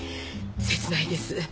切ないです。